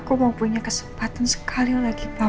aku mau punya kesempatan sekali lagi pak